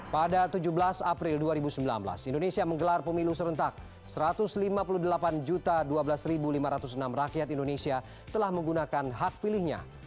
pada tujuh belas april dua ribu sembilan belas indonesia menggelar pemilu serentak satu ratus lima puluh delapan dua belas lima ratus enam rakyat indonesia telah menggunakan hak pilihnya